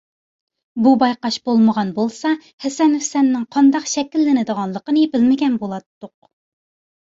بۇ بايقاش بولمىغان بولسا، ھەسەن - ھۈسەننىڭ قانداق شەكىللىنىدىغانلىقىنى بىلمىگەن بولاتتۇق.